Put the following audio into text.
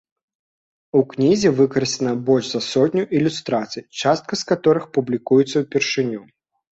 У кнізе выкарыстана больш за сотню ілюстрацый, частка з каторых публікуецца ўпершыню.